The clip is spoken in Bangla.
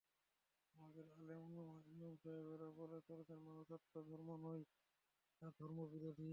আমাদের আলেম-ওলামা-ইমাম সাহেবরা বলে চলেছেন, মানুষ হত্যা ধর্ম নয়, এরা ধর্মবিরোধী।